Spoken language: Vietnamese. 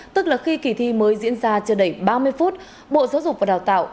tức là khi kỳ thi mới diễn ra chưa đầy ba mươi phút bộ giáo dục và đào tạo